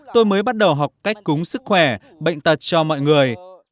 tôi mới bắt đầu học cách cúng sức khỏe bệnh tật cho mọi người